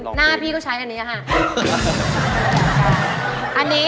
ลองคืน